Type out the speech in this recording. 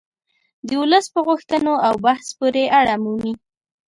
د ولس په غوښتنو او بحث پورې اړه مومي